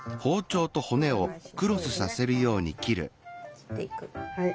切っていく。